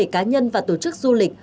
bảy cá nhân và tổ chức du lịch